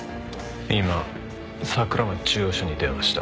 今桜町中央署に電話した。